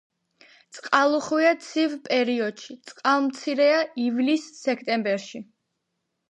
წყალუხვია ცივ პერიოდშ, წყალმცირეა ივლის-სექტემბერში.